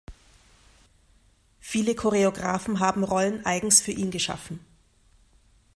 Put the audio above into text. Viele Choreografen haben Rollen eigens für ihn geschaffen.